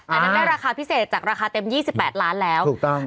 อันนั้นได้ราคาพิเศษจากราคาเต็ม๒๘ล้านแล้วถูกต้อง